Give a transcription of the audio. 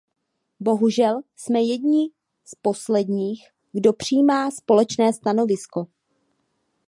Bohužel jsme jední z posledních, kdo přijímá společné stanovisko.